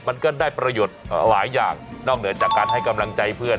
มันก็ได้ประโยชน์หลายอย่างนอกเหนือจากการให้กำลังใจเพื่อน